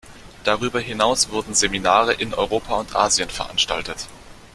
Darüber hinaus wurden Seminare in Europa und Asien veranstaltet.